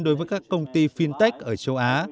đối với các công ty fintech ở châu á